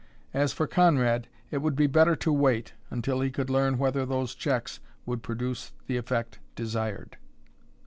As for Conrad, it would be better to wait until he could learn whether those checks would produce the effect desired.